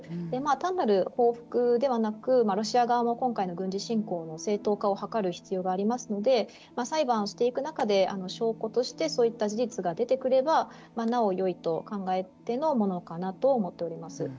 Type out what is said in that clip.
単なる報復ではなくロシア側も今回の軍事侵攻の正当化を図る必要がありますので裁判をしていく中で証拠としてそういった事実が出てくればなおよいと考えてのものかなと思っております。